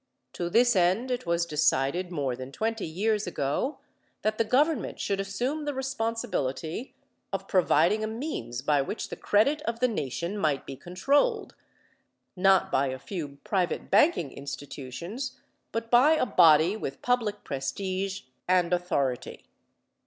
To this end it was decided more than twenty years ago that the government should assume the responsibility of providing a means by which the credit of the nation might be controlled, not by a few private banking institutions, but by a body with public prestige and authority.